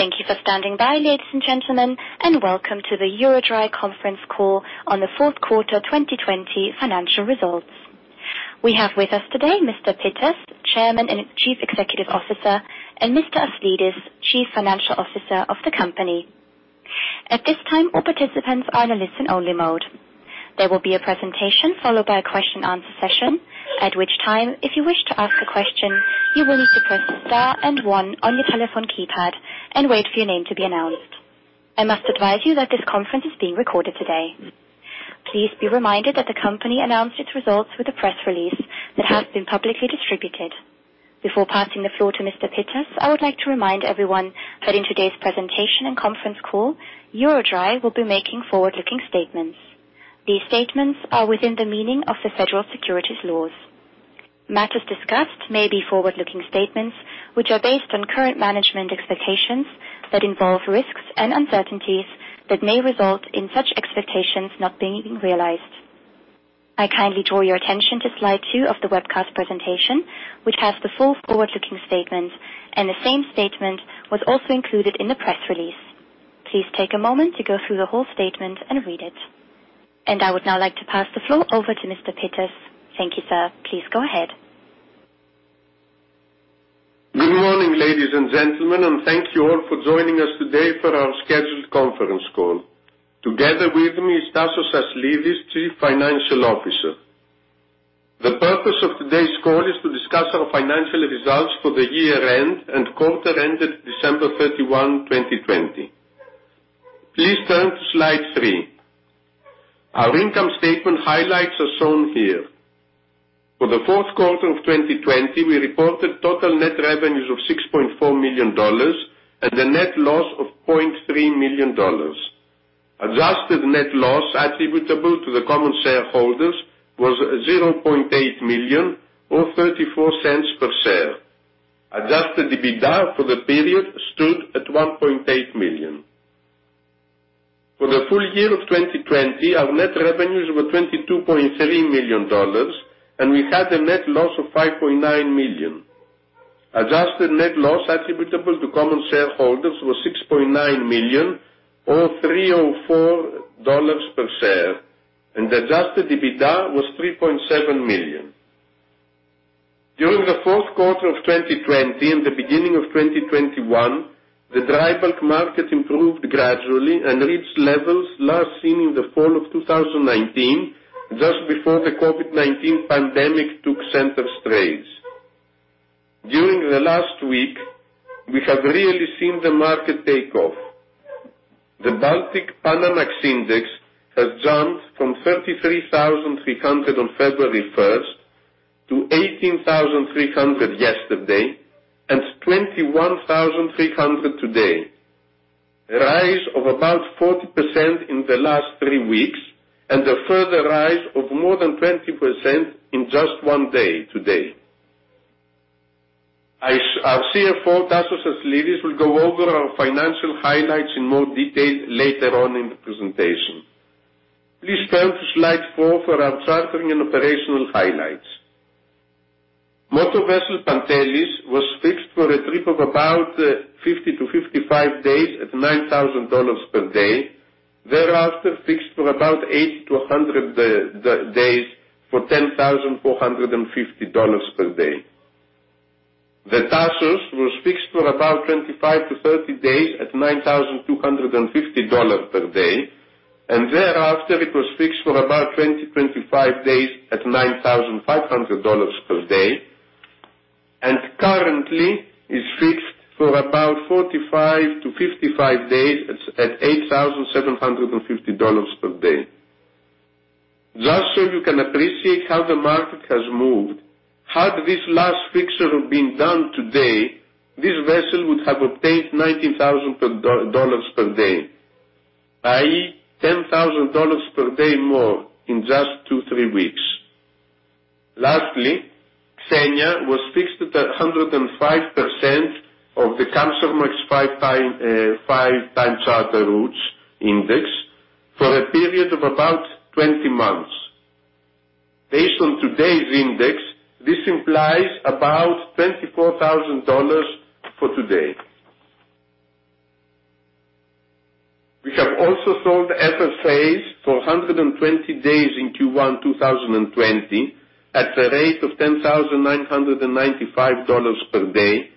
Thank you for standing by, ladies and gentlemen, and welcome to the EuroDry Conference Call on the Fourth Quarter 2020 Financial Results. We have with us today Mr. Pittas, Chairman and Chief Executive Officer, and Mr. Aslidis, Chief Financial Officer of the company. At this time all participants are on listen-only mode, there will be a presentation, followed by a Q&A session at which time if you wish to ask a question you will need to press the star and one on your telephone keypad and wait for your name to be announced. I must advise you that this conference is being recorded today. Please be reminded that the company announced its results with a press release that has been publicly distributed before passing the floor to Mr. Pittas, I would like to remind everyone that in today's presentation and conference call EuroDry will be making forward looking statements. These statements are within the meaning of the Federal Securities Laws. Matters discussed may be forward-looking statements, which are based on current management expectations that involve risks and uncertainties that may result in such expectations not being realized. I kindly draw your attention to slide two of the webcast presentation, which has the full forward-looking statement, and the same statement was also included in the press release. Please take a moment to go through the whole statement and read it. I would now like to pass the floor over to Mr. Pittas. Thank you, sir. Please go ahead. Good morning, ladies and gentlemen, thank you all for joining us today for our scheduled conference call. Together with me is Tasos Aslidis, Chief Financial Officer. The purpose of today's call is to discuss our financial results for the year-end and quarter ended December 31, 2020. Please turn to slide three. Our income statement highlights are shown here. For the fourth quarter of 2020, we reported total net revenues of $6.4 million and a net loss of $0.3 million. Adjusted net loss attributable to the common shareholders was $0.8 million or $0.34 per share. Adjusted EBITDA for the period stood at $1.8 million. For the full year of 2020, our net revenues were $22.3 million, and we had a net loss of $5.9 million. Adjusted net loss attributable to common shareholders was $6.9 million or $3.04 per share, and adjusted EBITDA was $3.7 million. During the fourth quarter of 2020 and the beginning of 2021, the dry bulk market improved gradually and reached levels last seen in the fall of 2019, just before the COVID-19 pandemic took center stage. During the last week, we have really seen the market take off. The Baltic Panamax Index has jumped from 1,327 on February 1st to $18,300 yesterday and $21,300 today. A rise of about 40% in the last three weeks and a further rise of more than 20% in just one day today. Our CFO, Tasos Aslidis, will go over our financial highlights in more detail later on in the presentation. Please turn to slide four for our chartering and operational highlights. Motor Vessel Pantelis was fixed for a trip of about 50-55 days at $9,000 per day, thereafter fixed for about 80-100 days for $10,450 per day. The Tasos was fixed for about 25-30 days at $9,250 per day, and thereafter it was fixed for about 20-25 days at $9,500 per day, and currently is fixed for about 45-55 days at $8,750 per day. Just so you can appreciate how the market has moved, had this last fixture been done today, this vessel would have obtained $19,000 per day, i.e., $10,000 per day more in just two, three weeks. Lastly, Xenia was fixed at 105% of the Kamsarmax 5x charter routes index for a period of about 20 months. Based on today's index, this implies about $24,000 for today. We have also sold FFAs for 120 days in Q1 2021 at a rate of $10,995 per day,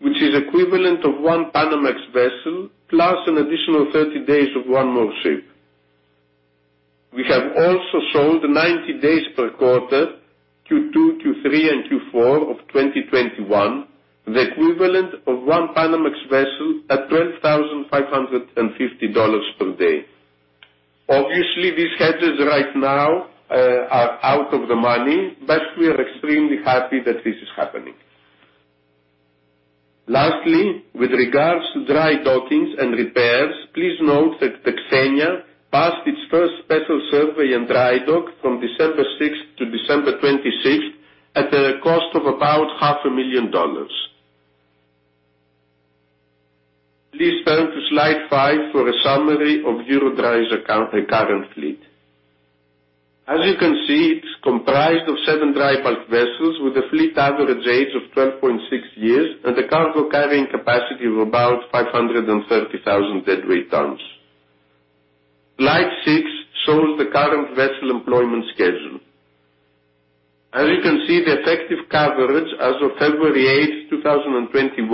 which is equivalent of one Panamax vessel, plus an additional 30 days of one more ship. We have also sold 90 days per quarter, Q2, Q3, and Q4 of 2021, the equivalent of one Panamax vessel at $12,550 per day. Obviously, these hedges right now are out of the money, but we are extremely happy that this is happening. Lastly, with regards to dry dockings and repairs, please note that the Xenia passed its first special survey in dry dock from December 6th to December 26th at a cost of about half a million dollars. Please turn to slide five for a summary of EuroDry's current fleet. As you can see, it's comprised of seven dry bulk vessels with a fleet average age of 12.6 years and a cargo carrying capacity of about 530,000 DWT. Slide six shows the current vessel employment schedule. As you can see, the effective coverage as of February 8th, 2021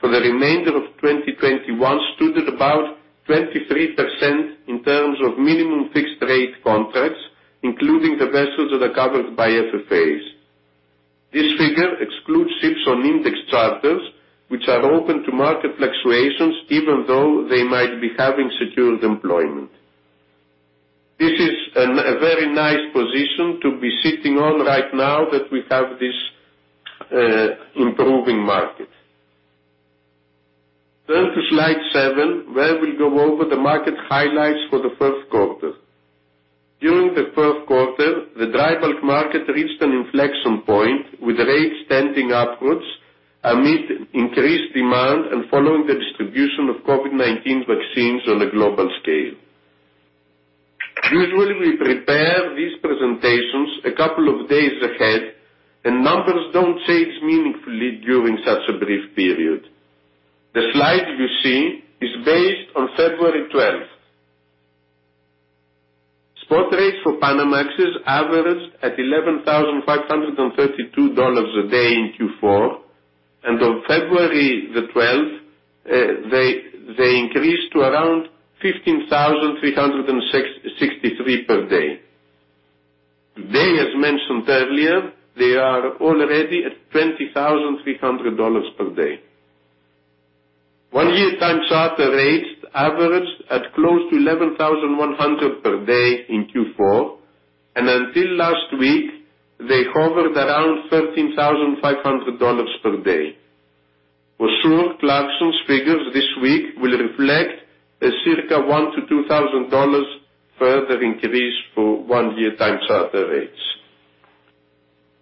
for the remainder of 2021 stood at about 23% in terms of minimum fixed rate contracts, including the vessels that are covered by FFAs. This figure excludes ships on index charters, which are open to market fluctuations even though they might be having secured employment. This is a very nice position to be sitting on right now that we have this improving market. Turn to slide seven, where we'll go over the market highlights for the first quarter. During the first quarter, the dry bulk market reached an inflection point with rates trending upwards amid increased demand and following the distribution of COVID-19 vaccines on a global scale. Usually, we prepare these presentations a couple of days ahead, and numbers don't change meaningfully during such a brief period. The slide you see is based on February 12th. Spot rates for Panamax averaged at $11,532 a day in Q4, and on February 12th, they increased to around $15,363 per day. Today, as mentioned earlier, they are already at $20,300 per day. One year time charter rates averaged at close to $11,100 per day in Q4, and until last week, they hovered around $13,500 per day. For sure, Clarksons' figures this week will reflect a circa $1,000-$2,000 further increase for one year time charter rates.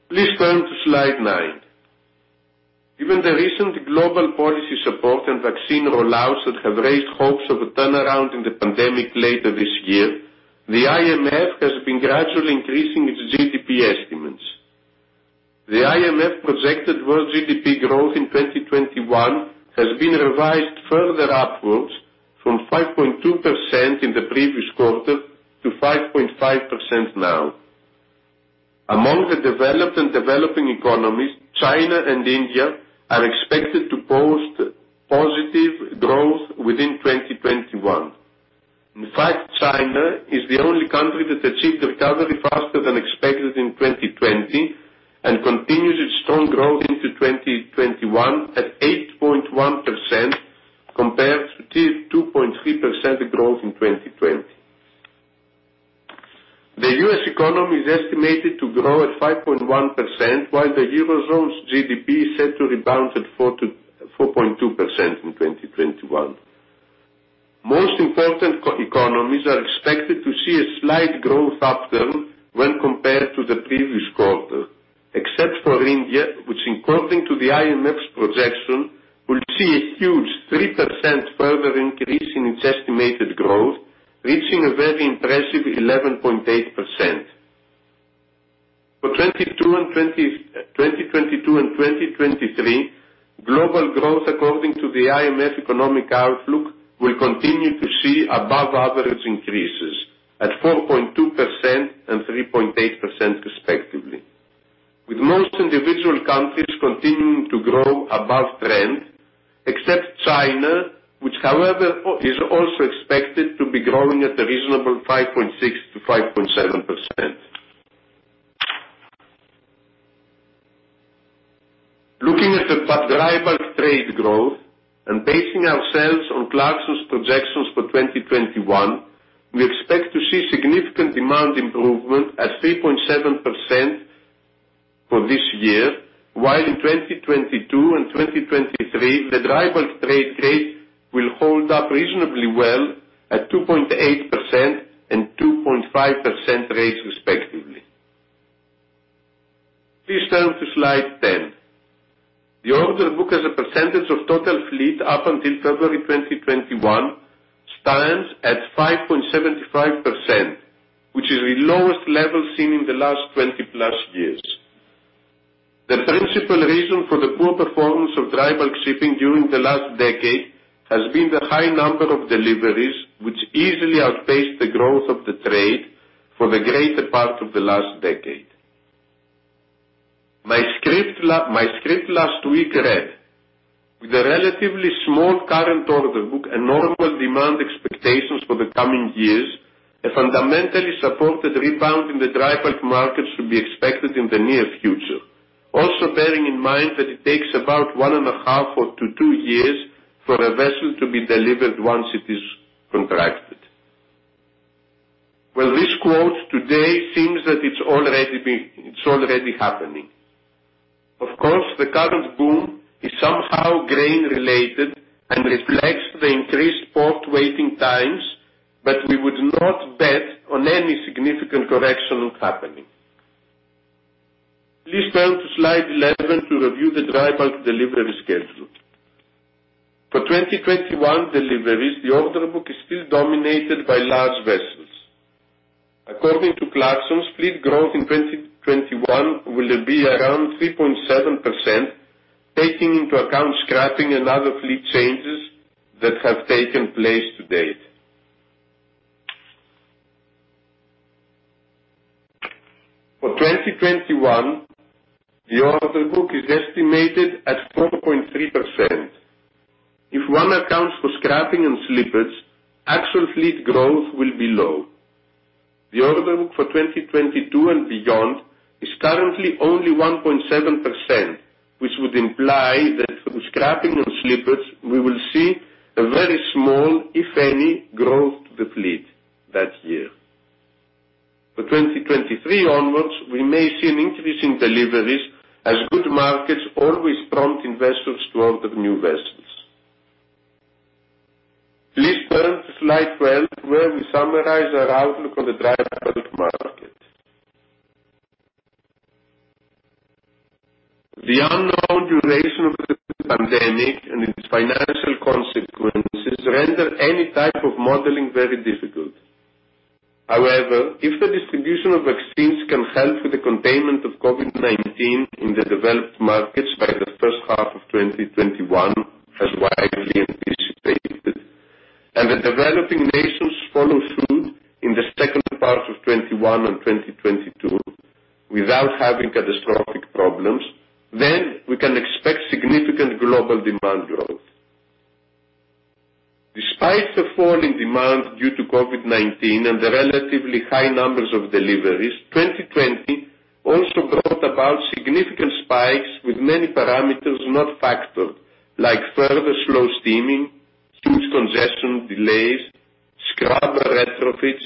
Please turn to slide nine. Given the recent global policy support and vaccine rollouts that have raised hopes of a turnaround in the pandemic later this year, the IMF has been gradually increasing its GDP estimates. The IMF projected world GDP growth in 2021 has been revised further upwards from 5.2% in the previous quarter to 5.5% now. Among the developed and developing economies, China and India are expected to post positive growth within 2021. In fact, China is the only country that achieved recovery faster than expected in 2020 and continues its strong growth into 2021 at 8.1% compared to 2.3% growth in 2020. The U.S. economy is estimated to grow at 5.1%, while the Eurozone's GDP is set to rebound at 4.2% in 2021. Most important economies are expected to see a slight growth upturn when compared to the previous quarter, except for India, which according to the IMF's projection, will see a huge 3% further increase in its estimated growth, reaching a very impressive 11.8%. For 2022 and 2023, global growth, according to the IMF economic outlook, will continue to see above-average increases at 4.2% and 3.8% respectively, with most individual countries continuing to grow above trend, except China, which however is also expected to be growing at a reasonable 5.6% to 5.7%. Looking at the dry bulk trade growth and basing ourselves on Clarksons projections for 2021, we expect to see significant demand improvement at 3.7% for this year, while in 2022 and 2023, the dry bulk trade rate will hold up reasonably well at 2.8% and 2.5% rates respectively. Please turn to slide 10. The order book as a percentage of total fleet up until February 2021 stands at 5.75%, which is the lowest level seen in the last 20 plus years. The principal reason for the poor performance of dry bulk shipping during the last decade has been the high number of deliveries which easily outpaced the growth of the trade for the greater part of the last decade. My script last week read, "With a relatively small current order book and normal demand expectations for the coming years, a fundamentally supported rebound in the dry bulk market should be expected in the near future. Also bearing in mind that it takes about one and a half or to two years for a vessel to be delivered once it is contracted." Well, this quote today seems that it's already happening. Of course, the current boom is somehow grain-related and reflects the increased port waiting times, but we would not bet on any significant correction happening. Please turn to slide 11 to review the dry bulk delivery schedule. For 2021 deliveries, the order book is still dominated by large vessels. According to Clarksons, fleet growth in 2021 will be around 3.7%, taking into account scrapping and other fleet changes that have taken place to date. For 2021, the order book is estimated at 4.3%. If one accounts for scrapping and slippage, actual fleet growth will be low. The order book for 2022 and beyond is currently only 1.7%, which would imply that with scrapping and slippage, we will see a very small, if any, growth to the fleet that year. For 2023 onwards, we may see an increase in deliveries as good markets always prompt investors to order new vessels. Please turn to slide 12, where we summarize our outlook on the dry bulk market. The unknown duration of the pandemic and its financial consequences render any type of modeling very difficult. However, if the distribution of vaccines can help with the containment of COVID-19 in the developed markets by the first half of 2021 as widely anticipated, the developing nations follow through in the second part of 2021 and 2022 without having catastrophic problems, then we can expect significant global demand growth. Despite the fall in demand due to COVID-19 and the relatively high numbers of deliveries, 2020 also brought about significant spikes with many parameters not factored, like further slow steaming, huge congestion delays, scrubber retrofits,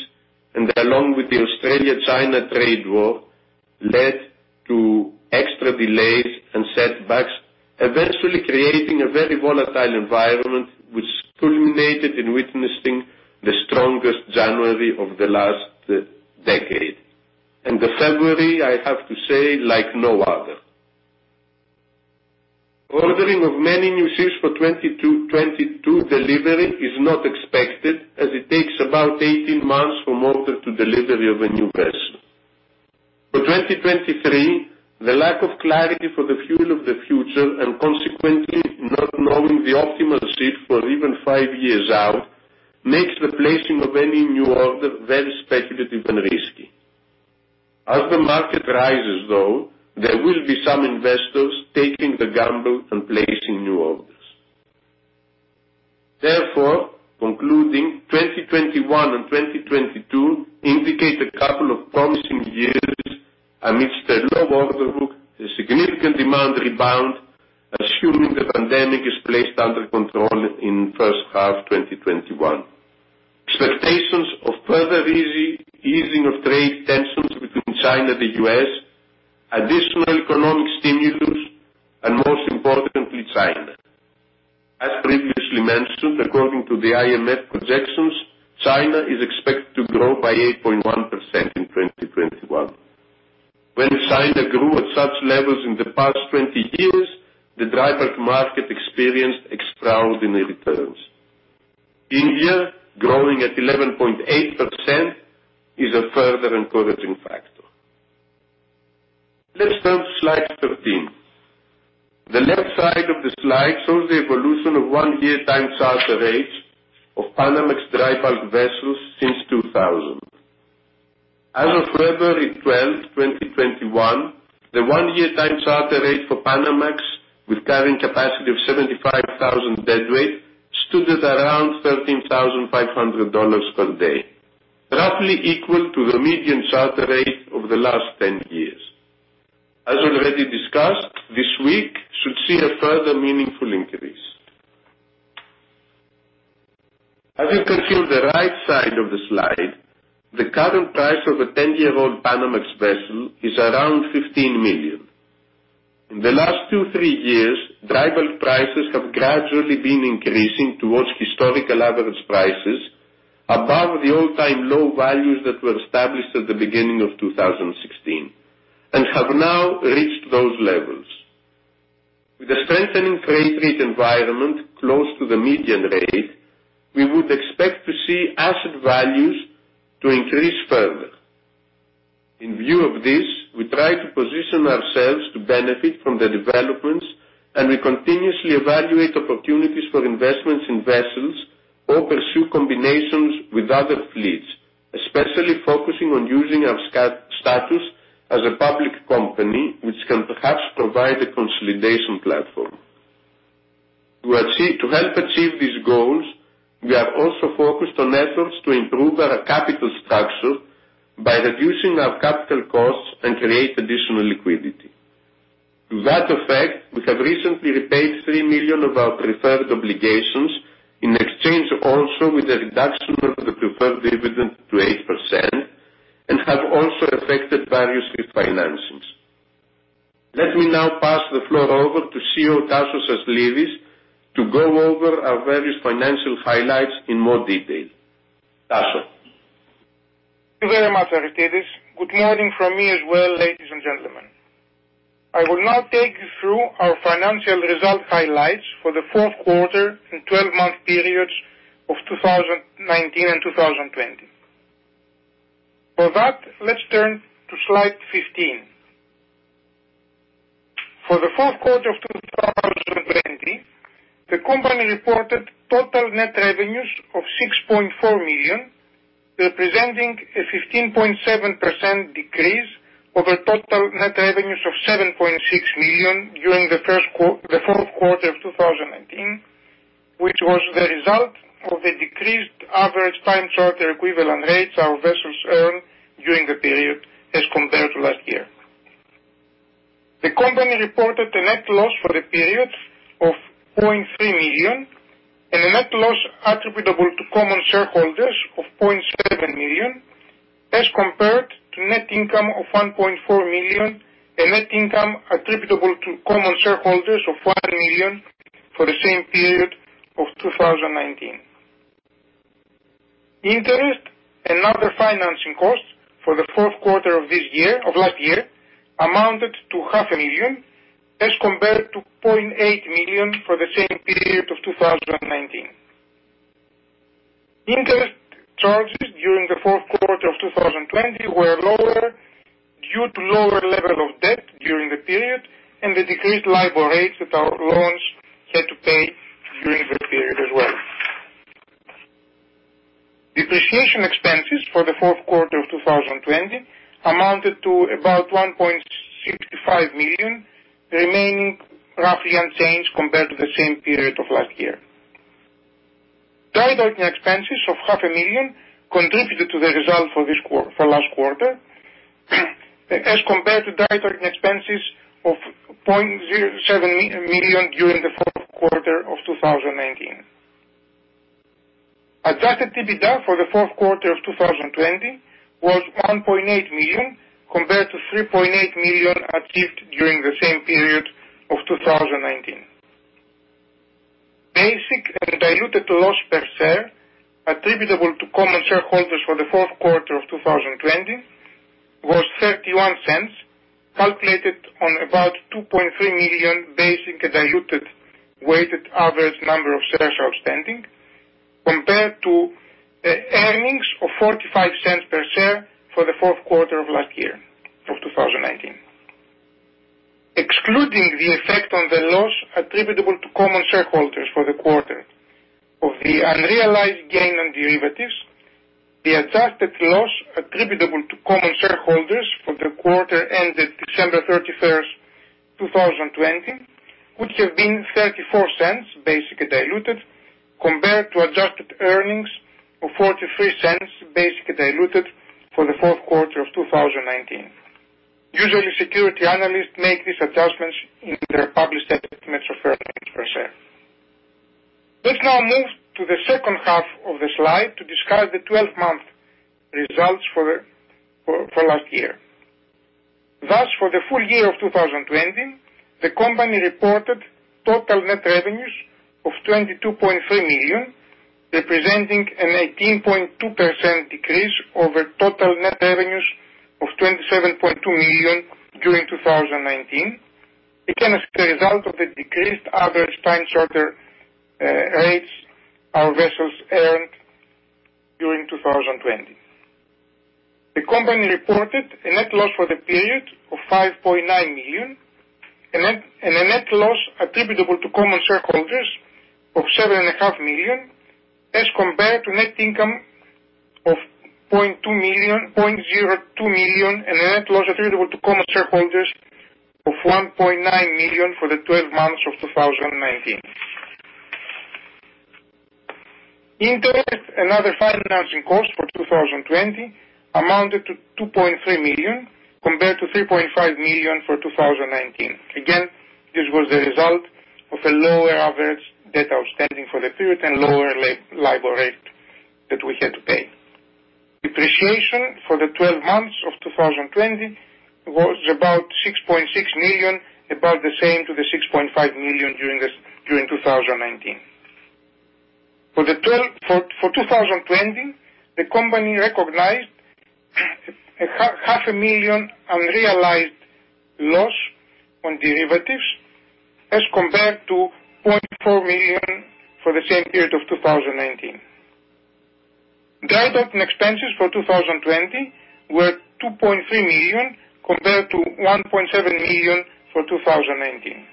and along with the Australia-China trade war, led to extra delays and setbacks, eventually creating a very volatile environment which culminated in witnessing the strongest January of the last decade. The February, I have to say, like no other. Ordering of many new ships for 2022 delivery is not expected as it takes about 18 months from order to delivery of a new vessel. For 2023, the lack of clarity for the fuel of the future and consequently not knowing the optimal ship for even five years out, makes the placing of any new order very speculative and risky. As the market rises, though, there will be some investors taking the gamble and placing new orders. Therefore, concluding 2021 and 2022 indicate a couple of promising years amidst a low order book, a significant demand rebound, assuming the pandemic is placed under control in the first half of 2021. Expectations of further easing of trade tensions between China and the U.S., additional economic stimulus, and most importantly, China. As previously mentioned, according to the IMF projections, China is expected to grow by 8.1% in 2021. When China grew at such levels in the past 20 years, the dry bulk market experienced extraordinary returns. India, growing at 11.8%, is a further encouraging factor. Let's turn to slide 13. The left side of the slide shows the evolution of one year time charter rates of Panamax dry bulk vessels since 2000. As of February 12th, 2021, the one-year time charter rate for Panamax with carrying capacity of 75,000 DWT, stood at around $13,500 per day, roughly equal to the median charter rate over the last 10 years. As already discussed, this week should see a further meaningful increase. As you can see on the right side of the slide, the current price of a 10-year-old Panamax vessel is around $15 million. In the last two, three years, drybulk prices have gradually been increasing towards historical average prices above the all-time low values that were established at the beginning of 2016 and have now reached those levels. With a strengthening trade rate environment close to the median rate, we would expect to see asset values to increase further. In view of this, we try to position ourselves to benefit from the developments, and we continuously evaluate opportunities for investments in vessels or pursue combinations with other fleets, especially focusing on using our status as a public company, which can perhaps provide a consolidation platform. To help achieve these goals, we are also focused on efforts to improve our capital structure by reducing our capital costs and create additional liquidity. To that effect, we have recently repaid $3 million of our preferred obligations in exchange also with the reduction of the preferred dividend to 8% and have also affected various refinancings. Let me now pass the floor over to CFO Tasos Aslidis to go over our various financial highlights in more detail. Tasos? Thank you very much, Aristides. Good morning from me as well, ladies and gentlemen. I will now take you through our financial result highlights for the fourth quarter and 12-month periods of 2019 and 2020. For that, let's turn to slide 15. For the fourth quarter of 2020, the company reported total net revenues of $6.4 million, representing a 15.7% decrease over total net revenues of $7.6 million during the fourth quarter of 2019, which was the result of a decreased average time charter equivalent rates our vessels earned during the period as compared to last year. The company reported a net loss for the period of $0.3 million and a net loss attributable to common shareholders of $0.7 million as compared to net income of $1.4 million and net income attributable to common shareholders of $1 million for the same period of 2019. Interest and other financing costs for the fourth quarter of last year amounted to $500,000 as compared to $0.8 million for the same period of 2019. Interest charges during the fourth quarter of 2020 were lower due to lower level of debt during the period and the decreased LIBOR rates that our loans had to pay during that period as well. Depreciation expenses for the fourth quarter of 2020 amounted to about $1.65 million, remaining roughly unchanged compared to the same period of last year. Drydocking expenses of $500,000 contributed to the result for last quarter, as compared to drydocking expenses of $0.7 million during the fourth quarter of 2019. Adjusted EBITDA for the fourth quarter of 2020 was $1.8 million, compared to $3.8 million achieved during the same period of 2019. Basic and diluted loss per share attributable to common shareholders for the fourth quarter of 2020 was $0.31, calculated on about 2.3 million basic and diluted weighted average number of shares outstanding, compared to earnings of $0.45 per share for the fourth quarter of last year, of 2019. Excluding the effect on the loss attributable to common shareholders for the quarter of the unrealized gain on derivatives, the adjusted loss attributable to common shareholders for the quarter ended December 31st, 2020, would have been $0.34 basic and diluted, compared to adjusted earnings of $0.43 basic and diluted for the fourth quarter of 2019. Usually, security analysts make these adjustments in their published estimates of earnings per share. Let's now move to the second half of the slide to discuss the 12-month results for last year. Thus, for the full year of 2020, the company reported total net revenues of $22.3 million, representing an 18.2% decrease over total net revenues of $27.2 million during 2019. Again, as a result of the decreased average time charter rates our vessels earned during 2020. The company reported a net loss for the period of $5.9 million and a net loss attributable to common shareholders of $7.5 million as compared to net income of $0.02 million and a net loss attributable to common shareholders of $1.9 million for the 12 months of 2019. Interest and other financing costs for 2020 amounted to $2.3 million compared to $3.5 million for 2019. Again, this was a result of a lower average debt outstanding for the period and lower LIBOR rate that we had to pay. Depreciation for the 12 months of 2020 was about $6.6 million, about the same to the $6.5 million during 2019. For 2020, the company recognized a $500,000 unrealized loss on derivatives as compared to $0.4 million for the same period of 2019. Drydocking expenses for 2020 were $2.3 million, compared to $1.7 million for 2019.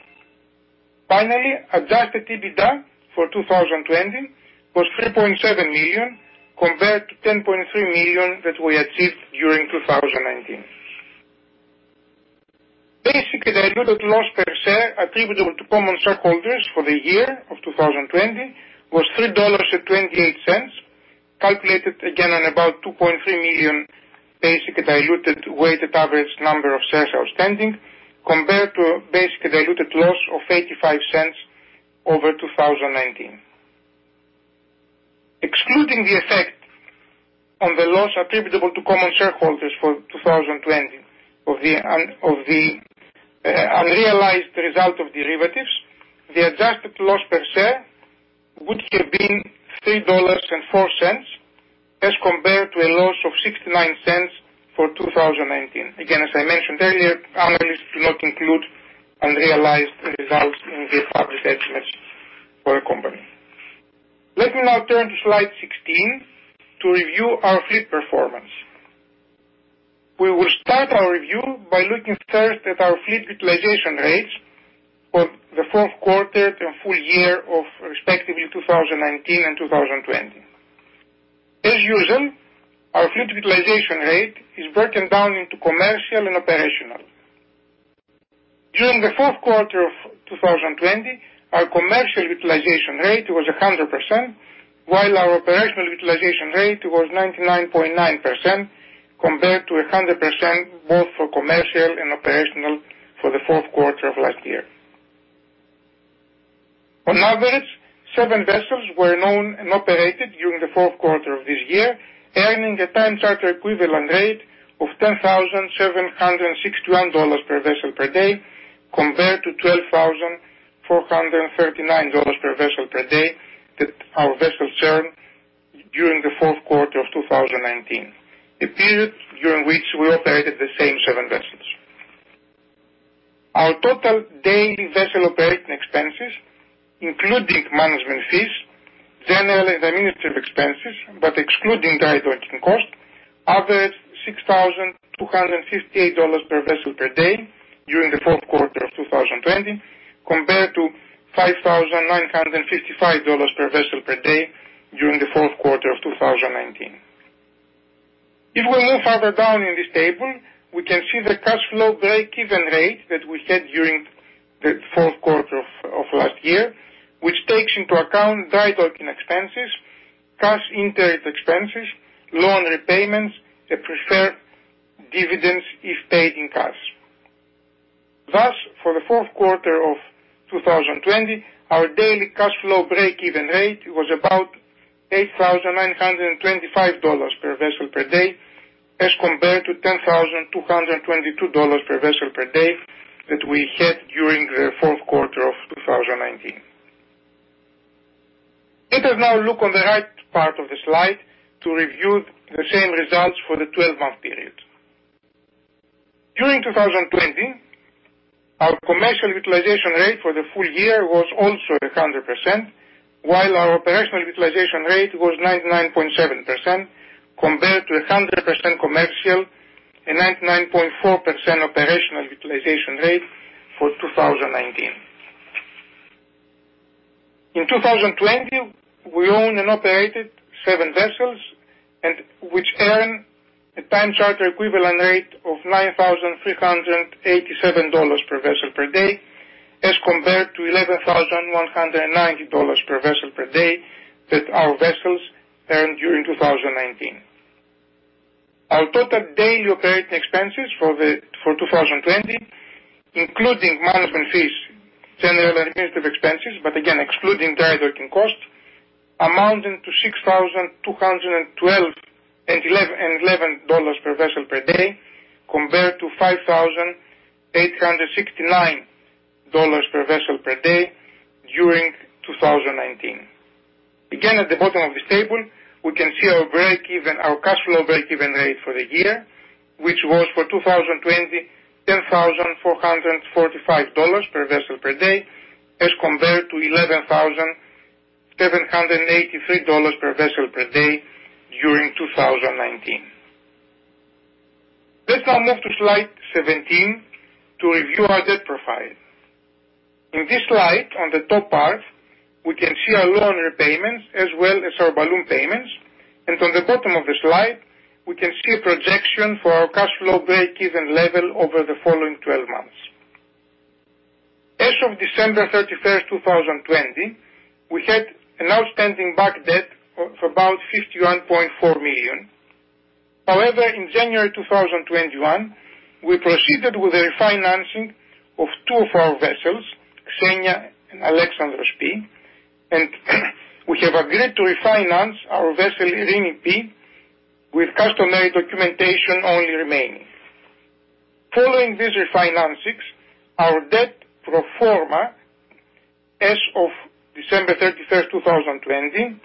Finally, adjusted EBITDA for 2020 was $3.7 million compared to $10.3 million that we achieved during 2019. Basic and diluted loss per share attributable to common shareholders for the year of 2020 was $3.28, calculated again on about 2.3 million basic and diluted weighted average number of shares outstanding compared to basic and diluted loss of $0.85 over 2019. Excluding the effect on the loss attributable to common shareholders for 2020 of the unrealized result of derivatives, the adjusted loss per share would have been $3.04 as compared to a loss of $0.69 for 2019. Again, as I mentioned earlier, analysts do not include unrealized results in the published estimates for a company. Let me now turn to slide 16 to review our fleet performance. We will start our review by looking first at our fleet utilization rates for the fourth quarter and full year of respectively 2019 and 2020. As usual, our fleet utilization rate is broken down into commercial and operational. During the fourth quarter of 2020, our commercial utilization rate was 100%, while our operational utilization rate was 99.9% compared to 100% both for commercial and operational for the fourth quarter of last year. On average, seven vessels were owned and operated during the fourth quarter of this year, earning a time charter equivalent rate of $10,761 per vessel per day, compared to $12,439 per vessel per day that our vessels earned during the fourth quarter of 2019, a period during which we operated the same seven vessels. Our total daily vessel operating expenses, including management fees, general and administrative expenses, but excluding dry docking costs, averaged $6,258 per vessel per day during the fourth quarter of 2020 compared to $5,955 per vessel per day during the fourth quarter of 2019. If we move further down in this table, we can see the cash flow breakeven rate that we had during the fourth quarter of last year, which takes into account dry docking expenses, cash interest expenses, loan repayments, and preferred dividends, if paid in cash. Thus, for the fourth quarter of 2020, our daily cash flow breakeven rate was about $8,925 per vessel per day as compared to $10,222 per vessel per day that we had during the fourth quarter of 2019. Let us now look on the right part of the slide to review the same results for the 12-month period. During 2020, our commercial utilization rate for the full year was also 100%, while our operational utilization rate was 99.7%, compared to 100% commercial and 99.4% operational utilization rate for 2019. In 2020, we owned and operated seven vessels, and which earn a time charter equivalent rate of $9,387 per vessel per day as compared to $11,190 per vessel per day that our vessels earned during 2019. Our total daily operating expenses for 2020, including management fees, general administrative expenses, but again excluding dry docking costs, amounting to $6,211 per vessel per day compared to $5,869 per vessel per day during 2019. Again, at the bottom of this table, we can see our cash flow breakeven rate for the year, which was for 2020, $10,445 per vessel per day as compared to $11,783 per vessel per day during 2019. Let's now move to slide 17 to review our debt profile. In this slide, on the top part, we can see our loan repayments as well as our balloon payments, and on the bottom of the slide, we can see a projection for our cash flow breakeven level over the following 12 months. As of December 31st, 2020, we had an outstanding back debt of about $51.4 million. However, in January 2021, we proceeded with the refinancing of two of our vessels, Xenia and Alexandros P, and we have agreed to refinance our vessel, Eirini P, with customary documentation only remaining. Following these refinancings, our debt pro forma as of December 31st, 2020,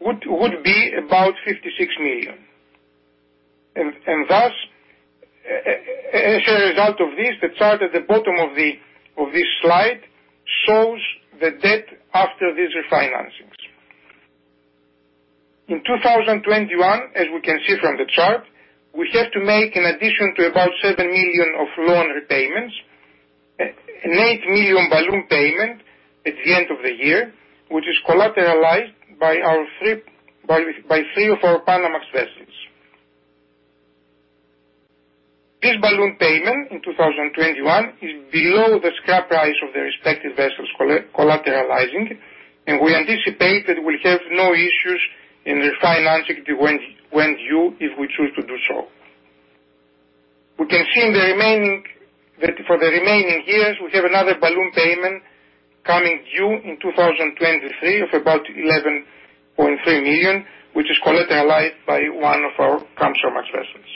would be about $56 million. Thus, as a result of this, the chart at the bottom of this slide shows the debt after these refinancings. In 2021, as we can see from the chart, we have to make an addition to about $7 million of loan repayments, an $8 million balloon payment at the end of the year, which is collateralized by three of our Panamax vessels. This balloon payment in 2021 is below the scrap price of the respective vessels collateralizing, and we anticipate that we'll have no issues in refinancing it when due if we choose to do so. We can see for the remaining years, we have another balloon payment coming due in 2023 of about $11.3 million, which is collateralized by one of our Capesize vessels.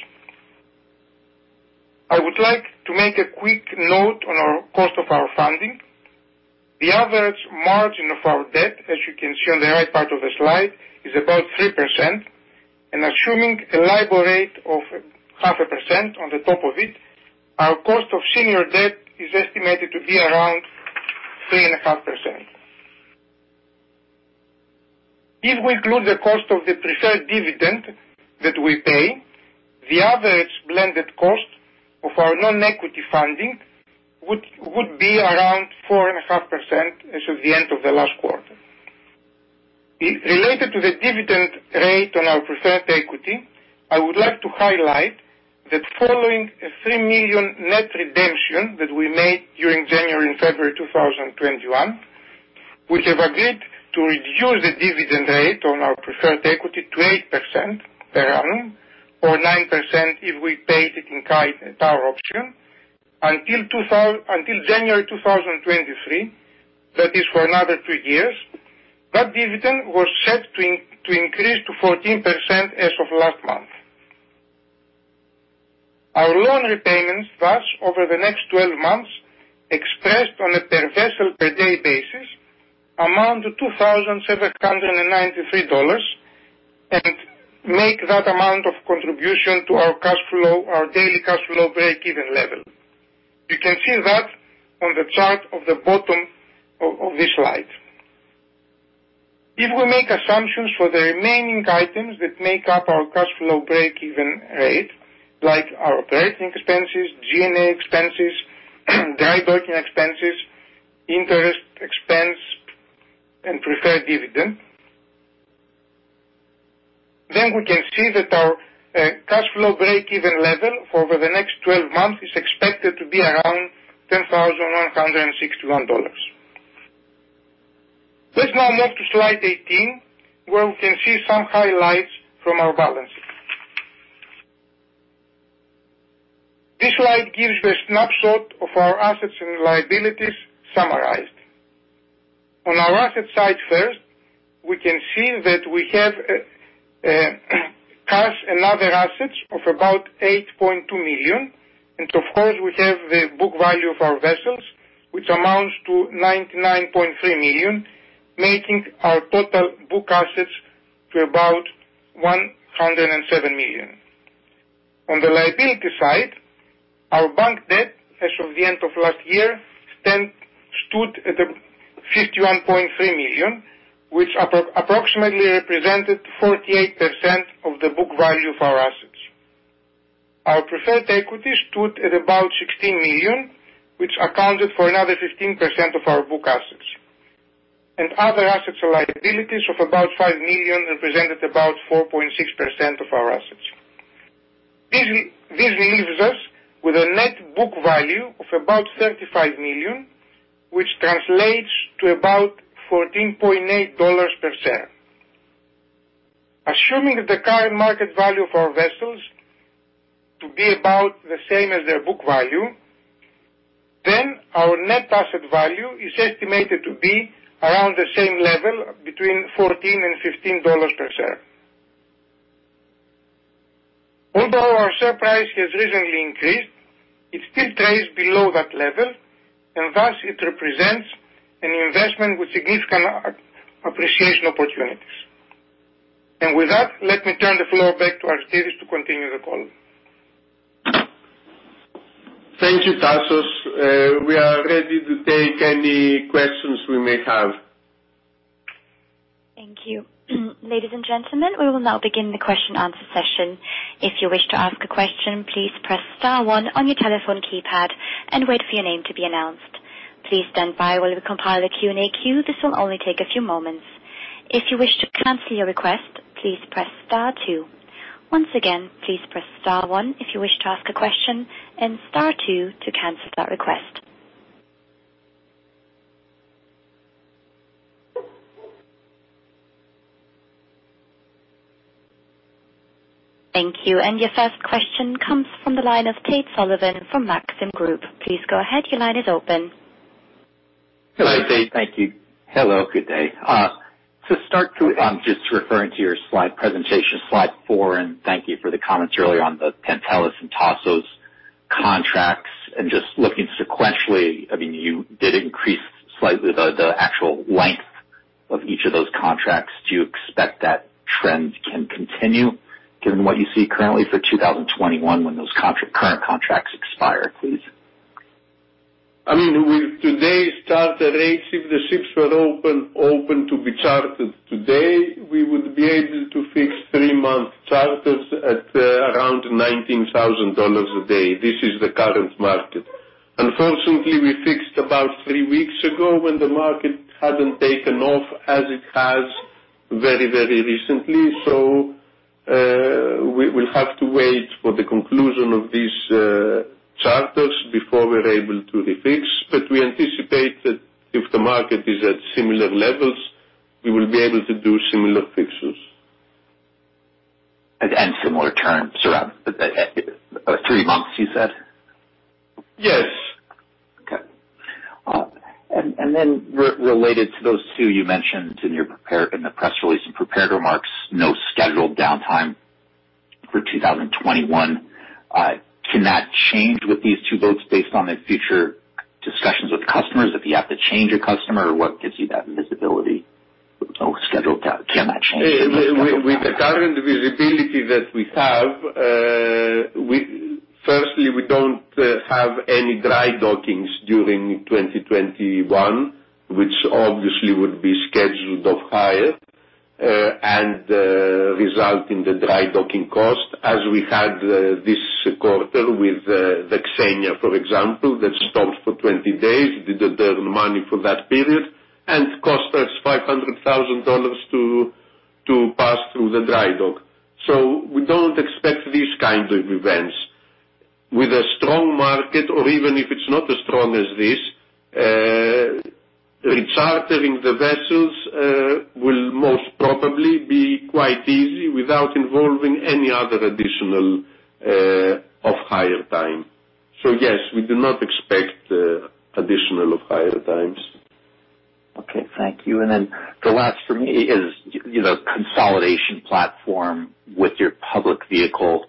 I would like to make a quick note on our cost of our funding. The average margin of our debt, as you can see on the right part of the slide, is about 3%, and assuming a LIBOR rate of 0.5% on the top of it, our cost of senior debt is estimated to be around 3.5%. If we include the cost of the preferred dividend that we pay, the average blended cost of our non-equity funding would be around 4.5% as of the end of the last quarter. Related to the dividend rate on our preferred equity, I would like to highlight that following a $3 million net redemption that we made during January and February 2021, we have agreed to reduce the dividend rate on our preferred equity to 8% per annum or 9% if we paid-in-kind share option until January 2023, that is, for another three years. That dividend was set to increase to 14% as of last month. Our loan repayments thus over the next 12 months expressed on a per vessel per day basis amount to $2,793 and make that amount of contribution to our daily cash flow break-even level. You can see that on the chart at the bottom of this slide. If we make assumptions for the remaining items that make up our cash flow break-even rate, like our operating expenses, G&A expenses, dry docking expenses, interest expense, and preferred dividend, then we can see that our cash flow break-even level over the next 12 months is expected to be around $10,161. Let's now move to slide 18, where we can see some highlights from our balance sheet. This slide gives a snapshot of our assets and liabilities summarized. On our asset side first, we can see that we have cash and other assets of about $8.2 million. Of course, we have the book value of our vessels, which amounts to $99.3 million, making our total book assets to about $107 million. On the liability side, our bank debt as of the end of last year stood at $51.3 million, which approximately represented 48% of the book value of our assets. Our preferred equity stood at about $16 million, which accounted for another 15% of our book assets. Other assets and liabilities of about $5 million represented about 4.6% of our assets. This leaves us with a net book value of about $35 million, which translates to about $14.8 per share. Assuming the current market value of our vessels to be about the same as their book value, then our net asset value is estimated to be around the same level, between $14 and $15 per share. Although our share price has recently increased, it still trades below that level, and thus it represents an investment with significant appreciation opportunities. With that, let me turn the floor back to Aristides to continue the call. Thank you, Tasos. We are ready to take any questions we may have. Thank you. Ladies and gentlemen we will now begin the question answer session. If you wish to ask a question please press star one on your telephone keypad and wait for your name to be announced. Please stand by while we reconfile the Q&A, it will only take a few moments. If you wish to cancel your question please press star two, once again please press star one to ask a question and star two to cancel that request. And your first question comes from the line of Tate Sullivan from Maxim Group. Please go ahead. Your line is open. Hi Tate. Thank you. Hello, good day. To start, just referring to your slide presentation, slide four, thank you for the comments earlier on the Pantelis and Tasos contracts. Just looking sequentially, you did increase slightly the actual length of each of those contracts. Do you expect that trend can continue given what you see currently for 2021 when those current contracts expire, please? With today's charter rates, if the ships were open to be chartered today, we would be able to fix three-month charters at around $19,000 a day. This is the current market. Unfortunately, we fixed about three weeks ago when the market hadn't taken off as it has very recently. We will have to wait for the conclusion of these charters before we're able to refix. We anticipate that if the market is at similar levels, we will be able to do similar fixes. Similar terms around three months, you said? Yes Then related to those two, you mentioned in the press release and prepared remarks, no scheduled downtime for 2021. Can that change with these two boats based on the future discussions with customers, if you have to change a customer, or what gives you that visibility? No scheduled, can that change? With the current visibility that we have, firstly, we don't have any dry dockings during 2021, which obviously would be scheduled off-hire, and result in the dry docking cost as we had this quarter with the Xenia, for example, that stopped for 20 days, we did earn money for that period, and cost us $500,000 to pass through the dry dock. We don't expect these kind of events. With a strong market, or even if it's not as strong as this, rechartering the vessels will most probably be quite easy without involving any other additional off-hire time. Yes, we do not expect additional off-hire times. Okay. Thank you. The last for me is consolidation platform with your public vehicle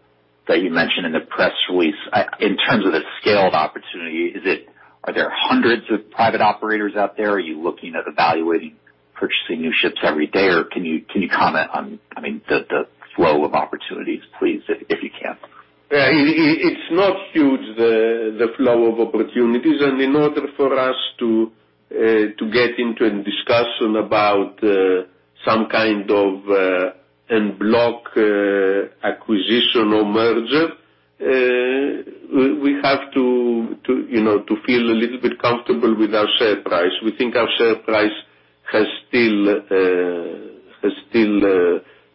that you mentioned in the press release. In terms of the scaled opportunity, are there hundreds of private operators out there? Are you looking at evaluating purchasing new ships every day, or can you comment on the flow of opportunities, please, if you can? In order for us to get into a discussion about some kind of en bloc acquisition or merger, we have to feel a little bit comfortable with our share price. We think our share price has still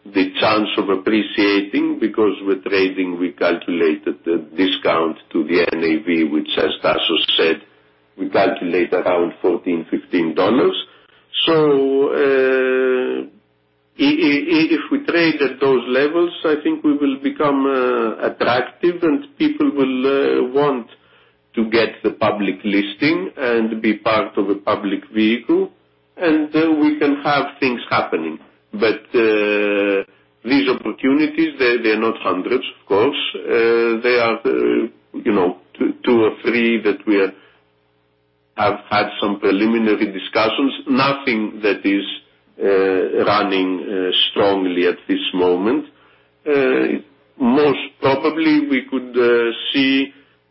the chance of appreciating, because with trading, we calculated a discount to the NAV, which as Tasos said, we calculate around $14, $15. If we trade at those levels, I think we will become attractive and people will want to get the public listing and be part of a public vehicle. We can have things happening. These opportunities, they are not hundreds, of course. They are two or three that we have had some preliminary discussions. Nothing that is running strongly at this moment. Most probably we could see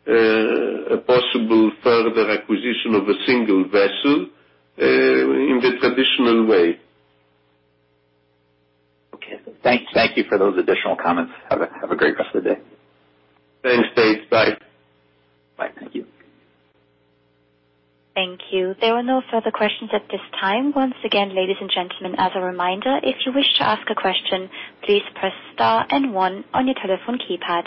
a possible further acquisition of a single vessel in the traditional way. Okay. Thank you for those additional comments. Have a great rest of the day. Thanks, Tate. Bye. Bye. Thank you. Thank you. There are no further questions at this time. Once again, ladies and gentlemen, as a reminder, if you wish to ask a question, please press star and one on your telephone keypad.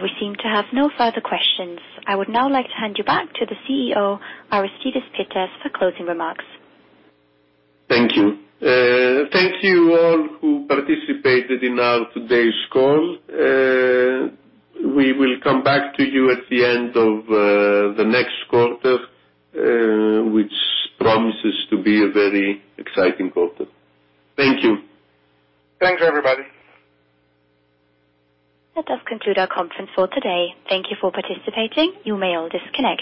We seem to have no further questions. I would now like to hand you back to the CEO, Aristides Pittas, for closing remarks. Thank you. Thank you all who participated in our today's call. We will come back to you at the end of the next quarter, which promises to be a very exciting quarter. Thank you. Thanks, everybody. That does conclude our conference for today. Thank you for participating. You may all disconnect.